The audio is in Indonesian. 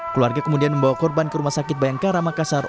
keluarga kemudian membawa korban ke rumah sakit bayangkara makassar